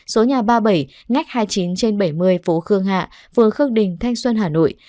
số nhà ba mươi bảy ngách hai mươi chín trên bảy mươi phố khương hạ phường khương đình thanh xuân hà nội